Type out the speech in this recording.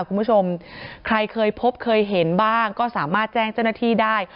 คุณผู้ชมใครเคยพบเคยเห็นบ้างก็สามารถแจ้งเจ้าหน้าที่ได้